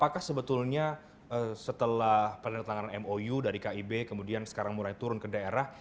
yang pertama adalah pertanggaran mou dari kib kemudian sekarang mulai turun ke daerah